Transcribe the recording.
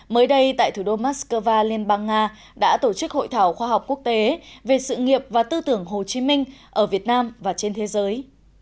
mới đây tại thủ đô moscow liên bang nga đã tổ chức hội thảo khoa học quốc tế về sự nghiệp và tư tưởng hồ chí minh ở việt nam và trên thế giới